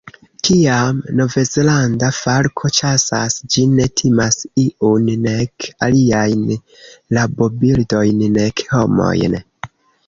Kiam Novzelanda falko ĉasas ĝi ne timas iun, nek aliajn rabobirdojn, nek homojn.